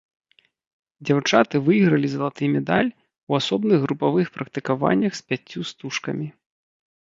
Дзяўчаты выйгралі залаты медаль у асобных групавых практыкаваннях з пяццю стужкамі.